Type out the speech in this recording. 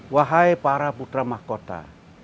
wahai para putra mahkota